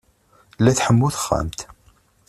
La tḥemmu texxamt.